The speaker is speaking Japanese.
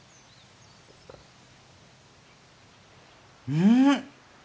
うん！